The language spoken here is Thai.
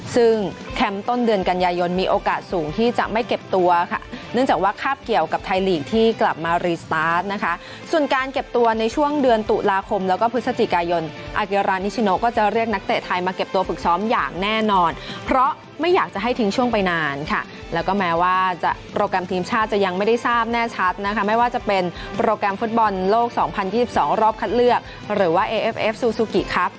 ซึ่งแคมป์ต้นเดือนกันยายนมีโอกาสสูงที่จะไม่เก็บตัวค่ะเนื่องจากว่าคาบเกี่ยวกับไทยลีกที่กลับมานะคะส่วนการเก็บตัวในช่วงเดือนตุลาคมแล้วก็พฤศจิกายนก็จะเรียกนักเตะไทยมาเก็บตัวฝึกซ้อมอย่างแน่นอนเพราะไม่อยากจะให้ทิ้งช่วงไปนานค่ะแล้วก็แม้ว่าจะโปรแกรมทีมชาติจะยังไม่ได้ทรา